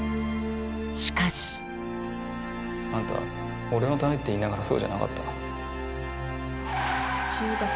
しかしあんた俺のためって言いながらそうじゃなかった。